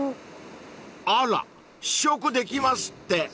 ［あら！試食できますって］